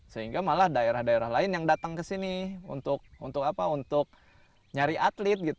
sehingga malah daerah daerah lain yang datang ke sini untuk nyari atlet